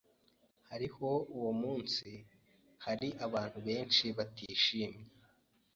Hariho uwo munsi hari abantu benshi batishimye.